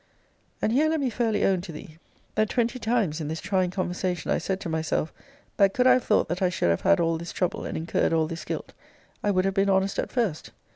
And here let me fairly own to thee, that twenty times in this trying conversation I said to myself, that could I have thought that I should have had all this trouble, and incurred all this guilt, I would have been honest at first.